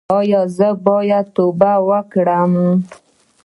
ایا زه باید توبه وکړم؟